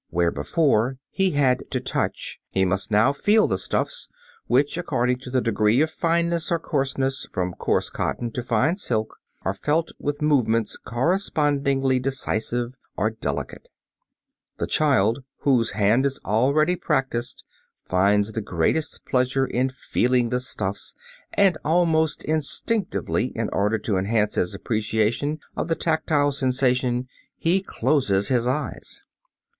Where before he had to touch, he must now feel the stuffs, which, according to the degree of fineness or coarseness from coarse cotton to fine silk, are felt with movements correspondingly decisive or delicate. The child whose hand is already practised finds the greatest pleasure in feeling the stuffs, and, almost instinctively, in order to enhance his appreciation of the tactile sensation he closes his eyes.